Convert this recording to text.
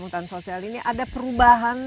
hutan sosial ini ada perubahan